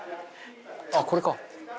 「ああこれか」